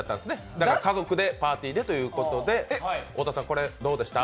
だから、家族でパーティーでということで、どうでした？